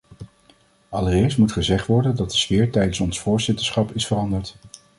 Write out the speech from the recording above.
Allereerst moet gezegd worden dat de sfeer tijdens ons voorzitterschap is veranderd.